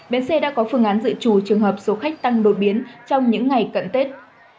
bến xe đã có phương án dự trù trường hợp số khách tăng đột biến trong những ngày cận tết